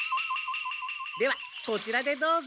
ではこちらでどうぞ。